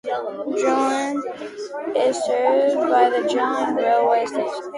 Jilin is served by the Jilin Railway Station.